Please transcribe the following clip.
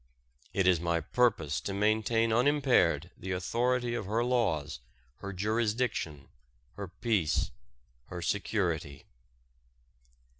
It is my purpose to maintain unimpaired the authority of her laws, her jurisdiction, her peace, her security.